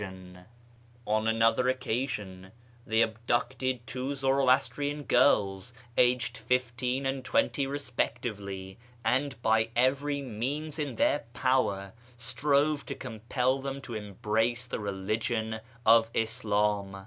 On 44S .•/ YKAK AMONGST THE PERSIANS another occasion tliey abiluctcd two Zoroastrian girls, aged tifteen and twenty respectively, and, l)y every means in tlieir power, strove to compel them to embrace the religion of Islam.